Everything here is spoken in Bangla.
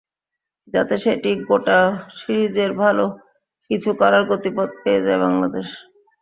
যাতে সেটি গোটা সিরিজেই ভালো কিছু করার গতিপথ পেয়ে যায় বাংলাদেশ।